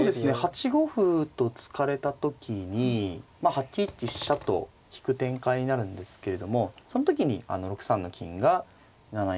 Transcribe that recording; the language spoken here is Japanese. ８五歩と突かれた時に８一飛車と引く展開になるんですけれどもその時に６三の金が７四の桂頭を守っていると。